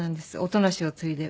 音無を継いで。